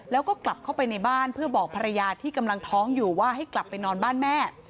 แล้วก็กลับเข้าไปในบ้านเพื่อบอกภรรยาที่กำลังท้องอยู่ว่าให้กลับไปนอนบ้านแม่